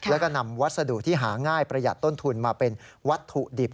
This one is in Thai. แล้วก็นำวัสดุที่หาง่ายประหยัดต้นทุนมาเป็นวัตถุดิบ